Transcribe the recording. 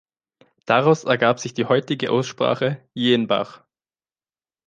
Daraus ergab sich die heutige Aussprache Jenbach.